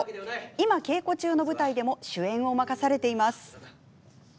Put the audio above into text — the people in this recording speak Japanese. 今、稽古中の舞台でも主演を任されています。